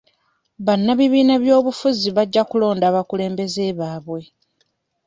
Bannabibiina by'obufuzi bajja kulonda abakulembeze baabwe.